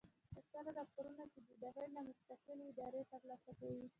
اکثره راپورنه چې د داخل نه مستقلې ادارې تر لاسه کوي